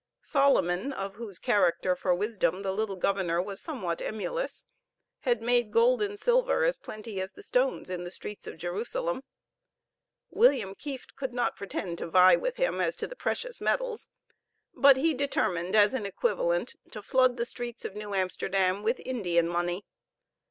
Solomon of whose character for wisdom the little governor was somewhat emulous, had made gold and silver as plenty as the stones in the streets of Jerusalem. William Kieft could not pretend to vie with him as to the precious metals, but he determined, as an equivalent, to flood the streets of New Amsterdam with Indian money.